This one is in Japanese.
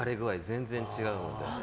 全然違うので。